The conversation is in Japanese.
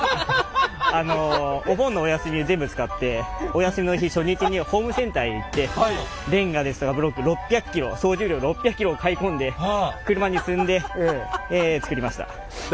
お休みの日初日にホームセンターへ行ってレンガですとかブロック６００ｋｇ総重量６００ｋｇを買い込んで車に積んで作りました！